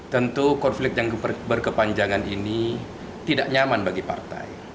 tentu konflik yang berkepanjangan ini tidak nyaman bagi partai